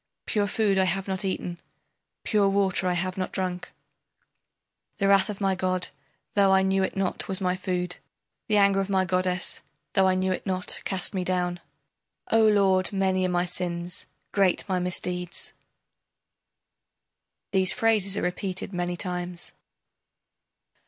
Pure food I have not eaten, Pure water I have not drunk, The wrath of my god, though I knew it not, was my food, The anger of my goddess, though I knew it not, cast me down. O lord, many are my sins, great my misdeeds. [These phrases are repeated many times.